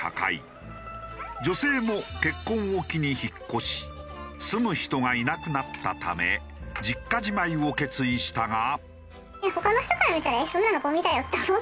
女性も結婚を機に引っ越し住む人がいなくなったため実家じまいを決意したが。